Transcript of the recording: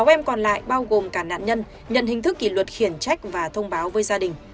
sáu em còn lại bao gồm cả nạn nhân nhận hình thức kỷ luật khiển trách và thông báo với gia đình